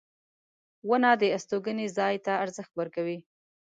• ونه د استوګنې ځای ته ارزښت ورکوي.